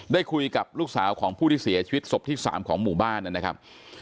ได้คุยกับลูกสาวของผู้ที่เสียชีวิตศพที่๓ของหมู่บ้านนะครับ